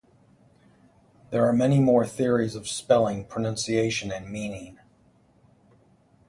There are many more theories of spelling, pronunciation, and meaning.